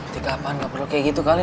tika apaan gak perlu kayak gitu kali